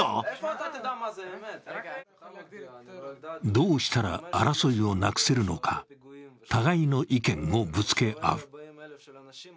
どうしたら争いをなくせるのか互いの意見をぶつけ合う。